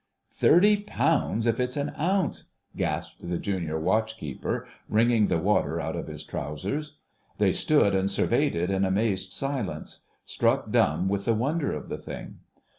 "Thirty pounds, if it's an ounce," gasped the Junior Watch keeper, wringing the water out of his trousers. They stood and surveyed it in amazed silence, struck dumb with the wonder of the thing.